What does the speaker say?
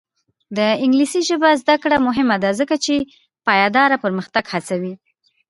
د انګلیسي ژبې زده کړه مهمه ده ځکه چې پایداره پرمختګ هڅوي.